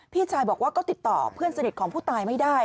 พี่ชายบอกว่าก็ติดต่อเพื่อนสนิทของผู้ตายไม่ได้